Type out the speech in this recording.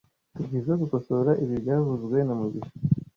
Tugizoe gukosora ibi byavuzwe na mugisha